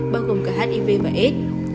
bao gồm cả hiv và aids